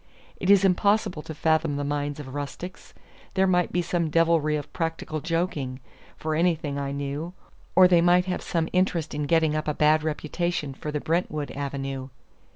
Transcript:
It is impossible to fathom the minds of rustics; there might be some devilry of practical joking, for anything I knew; or they might have some interest in getting up a bad reputation for the Brentwood avenue.